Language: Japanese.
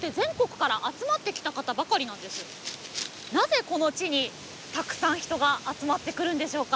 なぜこの地にたくさん人が集まってくるんでしょうか？